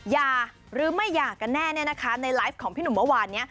อย่าหรือไม่หย่ากันแน่ในไลฟ์ของพี่หนุ่มเมื่อวานนี้